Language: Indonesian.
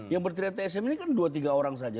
yang berteria tsm ini kan dua tiga orang saja